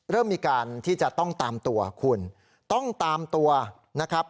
เริ่มมีการที่จะต้องตามตัวคุณต้องตามตัวนะครับ